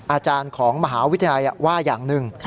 อาจารย์ของมหาวิทยาลัยว่าอย่างหนึ่ง